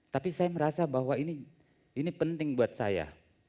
tapi saya merasa bahwa ini penting buat saya